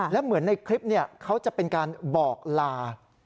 และเหมือนในคลิปเขาจะเป็นการบอกลา